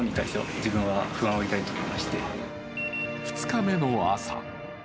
２日目の朝。